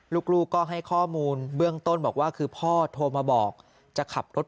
ลูกก็ให้ข้อมูลเบื้องต้นบอกว่าคือพ่อโทรมาบอกจะขับรถ